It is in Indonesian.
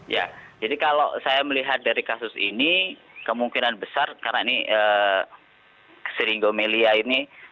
ya jadi kalau saya melihat dari kasus ini kemungkinan besar karena ini sering gomelia ini